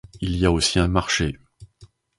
Il y a aussi un marché.